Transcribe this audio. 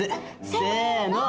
せの。